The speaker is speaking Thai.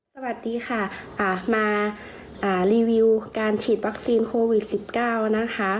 สวัสดีค่ะมารีวิวการฉีดวัคซีนโควิด๑๙นะคะ